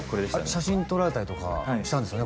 写真撮られたりしたんですよね